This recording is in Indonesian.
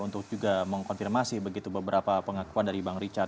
untuk juga mengkonfirmasi begitu beberapa pengakuan dari bang richard